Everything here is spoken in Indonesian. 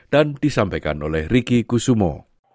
dan disampaikan oleh ricky kusumo